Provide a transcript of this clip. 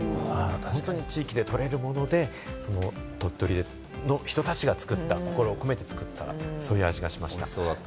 地域で取れるもので、鳥取の人たちが作った、心を込めて作った、そういう味がしました。